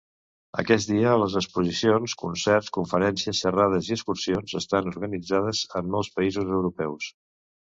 Aquest dia, les exposicions, concerts, conferències, xerrades i excursions estan organitzades en molts països europeus.